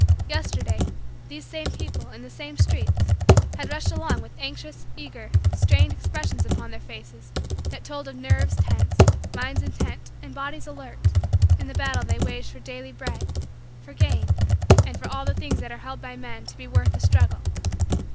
Yesterday, these same people, in the same streets, had rushed along with anxious, eager, strained, expressions upon their faces that told of nerves tense, minds intent, and bodies alert, in the battle they waged for daily bread, for gain, and for all the things that are held by men to be worth the struggle.